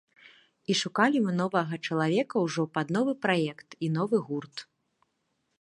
І шукалі мы новага чалавека ўжо пад новы праект і новы гурт.